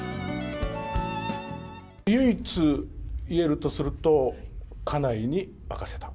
唯一、言えるとすると、家内に任せた。